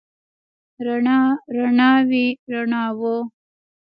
رڼا، رڼاوې، رڼاوو